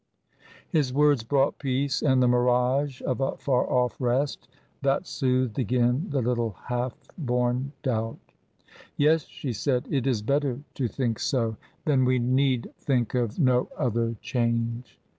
His words brought peace and the mirage of a far off rest, that soothed again the little half born doubt. "Yes," she said. "It is better to think so. Then we need think of no other change."